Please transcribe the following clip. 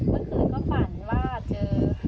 เมื่อคืนก็ฝันว่าเจอ